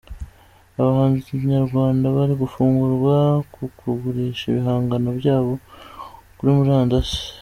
Abahanzi Nyarwanda bari guhugurwa ku kugurisha ibihangano byabo kuri Murandasi